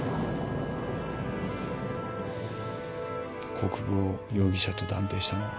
国府を容疑者と断定したのは？